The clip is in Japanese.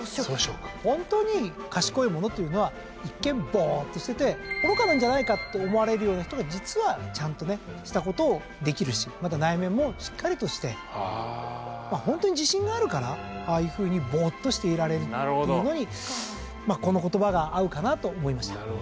ほんとに賢い者っていうのは一見ぼっとしてて愚かなんじゃないかって思われるような人が実はねちゃんとねしたことをできるしまた内面もしっかりとしてほんとに自信があるからああいうふうにぼっとしていられるっていうのにこの言葉が合うかなと思いました。